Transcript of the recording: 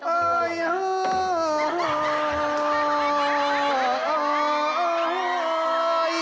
โอ๊ยโอ๊ย